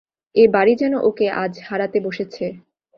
এ বাড়ি যেন ওকে আজ হারাতে বসেছে।